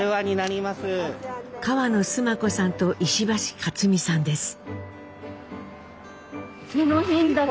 河野スマ子さんと石橋カツミさんです。